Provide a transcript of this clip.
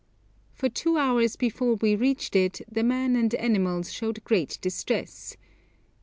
For two hours before we reached it the men and animals showed great distress.